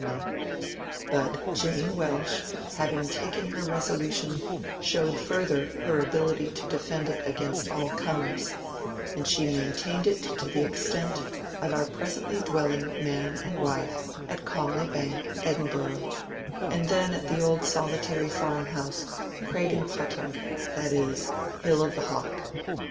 102 MONCURE DANIEL CONWAY But Jane Welsh, having taken her resolution, showed further her ability to defend it against all comers ; and she main tained it to the extent of our presently dwelling man and wife at Condey Bank, Edinburgh, and then at the old solitary farmhouse Craigenputtoch, that is, Hill of the Hawk.